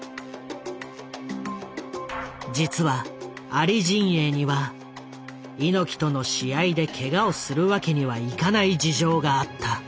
実はアリ陣営には猪木との試合でけがをするわけにはいかない事情があった。